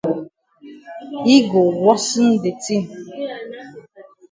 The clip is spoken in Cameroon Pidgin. Yi go worsen de tin.